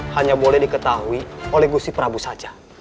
hanya boleh diketahui oleh gusi prabu saja